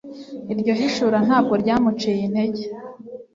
Iryo hishura ntabwo ryamuciye intege.